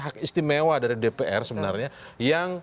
hak istimewa dari dpr sebenarnya yang